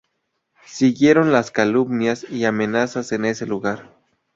Siguieron las calumnias y amenazas en ese lugar.